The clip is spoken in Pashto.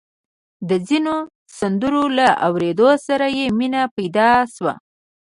د ځينو سندرو له اورېدو سره يې مينه پيدا شوه.